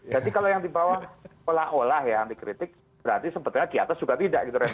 jadi kalau yang dibawah olah olah ya anti kritik berarti sebetulnya di atas juga tidak gitu renard